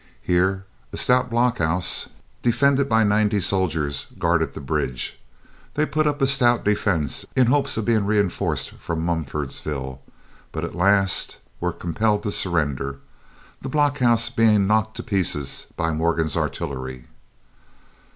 Here a stout block house, defended by ninety soldiers, guarded the bridge. They put up a stout defence in hopes of being reinforced from Mumfordsville, but at last were compelled to surrender, the block house being knocked to pieces by Morgan's artillery.